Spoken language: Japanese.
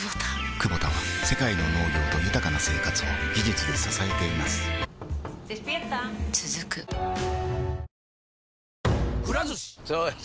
クボタは世界の農業と豊かな生活を技術で支えています起きて。